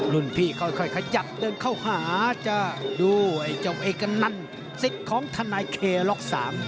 รุ่นพี่ค่อยขยับเดินเข้าหาจะดูไอ้เจ้าเอกันนันสิทธิ์ของทนายเคล็อก๓